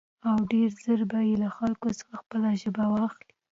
او ډېر زر به له خلکو څخه خپله ژبه واخلي.